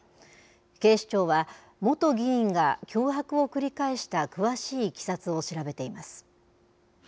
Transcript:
警視庁は、元議員が脅迫を繰り返した詳しいいきさつを調べています。